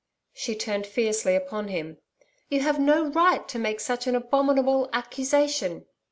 She turned fiercely upon him. 'You have no right to make such an abominable accusation.'